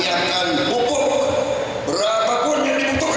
kita akan mengumpulkan berapa pun yang dibentukkan sampai ke petani